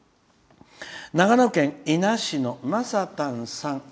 長野県伊那市の、まさたんさん。